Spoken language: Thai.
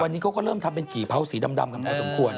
วันนี้เขาก็เริ่มทำเป็นกี่เผาสีดำกันพอสมควร